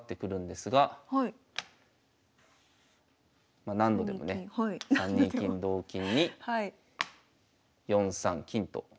まあ何度でもね３二金同銀に４三金と。